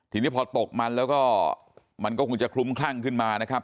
ทีนี้พอตกมันแล้วก็มันก็คงจะคลุ้มคลั่งขึ้นมานะครับ